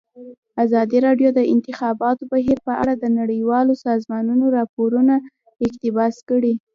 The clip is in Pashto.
ازادي راډیو د د انتخاباتو بهیر په اړه د نړیوالو سازمانونو راپورونه اقتباس کړي.